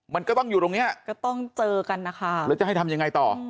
มันก็ต้องอยู่ตรงเนี้ยก็ต้องเจอกันนะคะแล้วจะให้ทำยังไงต่อ